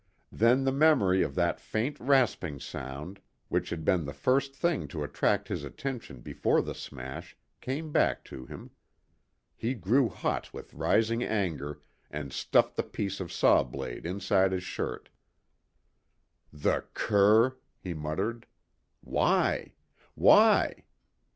Then the memory of that faint rasping sound, which had been the first thing to attract his attention before the smash, came back to him. He grew hot with rising anger, and stuffed the piece of saw blade inside his shirt. "The cur!" he muttered. "Why? Why?